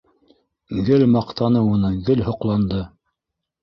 Гел маҡтаны уны, гел һоҡланды.